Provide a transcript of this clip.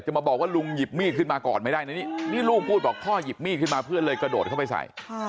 มาบอกว่าลุงหยิบมีดขึ้นมาก่อนไม่ได้นะนี่ลูกพูดบอกพ่อหยิบมีดขึ้นมาเพื่อนเลยกระโดดเข้าไปใส่